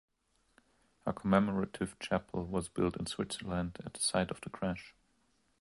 A commemorative chapel was built in Switzerland at the site of the crash.